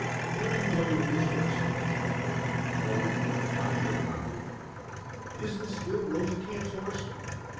"Where are you going with this horse?" he asked. "Home," replied Joe, promptly. "Isn't this Bill Rosencamp's horse?"